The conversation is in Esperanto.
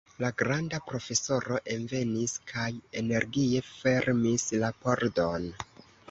La granda profesoro envenis kaj energie fermis la pordon.